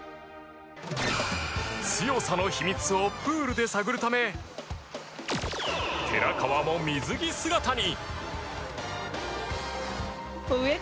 強さの秘密をプールで探るため寺川も水着姿に。